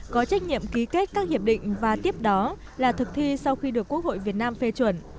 có trách nhiệm ký kết các hiệp định và tiếp đó là thực thi sau khi được quốc hội việt nam phê chuẩn